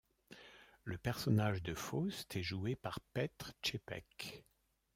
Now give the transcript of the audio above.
Le personnage de Faust est joué par Petr Čepek.